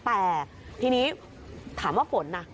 แต่ทีนี้ถามว่าฝนนะ